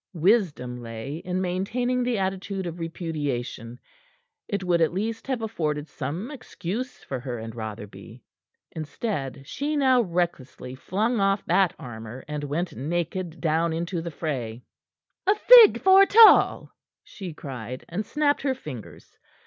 Wisdom lay in maintaining the attitude of repudiation; it would at least have afforded some excuse for her and Rotherby. Instead, she now recklessly flung off that armor, and went naked down into the fray. "A fig for't all!" she cried, and snapped her fingers.